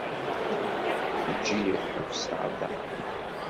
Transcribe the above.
Ejj-iyi ad ḥebseɣ da.